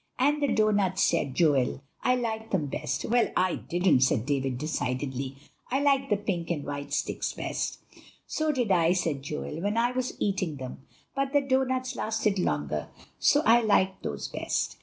"And the doughnuts," said Joel; "I liked them best." "Well, I didn't," said David decidedly; "I liked the pink and white sticks best." "So did I," said Joel, "when I was eating them; but the doughnuts lasted longer, so I liked those best."